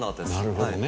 なるほどね。